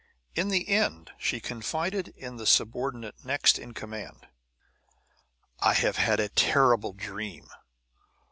In the end she confided in the subordinate next in command: "I have had a terrible dream.